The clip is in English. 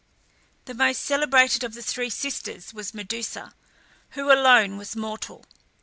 The most celebrated of the three sisters was Medusa, who alone was mortal.